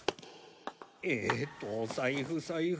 えーっと財布財布。